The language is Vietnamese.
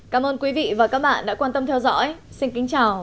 cảm ơn quý vị và các bạn đã quan tâm theo dõi xin kính chào